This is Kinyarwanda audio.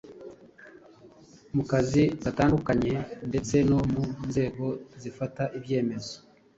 mu kazi gatandukanye ndetse no mu nzego zifata ibyemezo